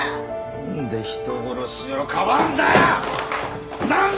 なんで人殺しかばうんだよ！？